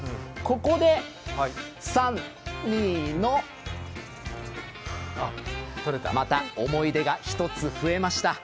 ここで３、２のまた思い出が一つ増えました。